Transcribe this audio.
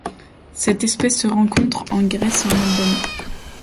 Cette espèce se rencontre en Grèce et en Albanie.